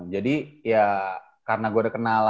jadi ya karena gue udah kenal